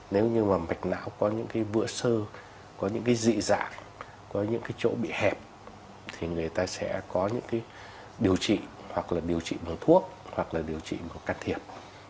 nếu như mà mạch não có những cái vựa sơ có những cái dị dạng có những cái chỗ bị hẹp thì người ta sẽ có những cái điều trị hoặc là điều trị vào thuốc hoặc là điều trị một can thiệp